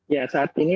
ya saat ini